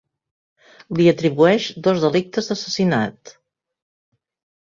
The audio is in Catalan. Li atribueix dos delictes d’assassinat.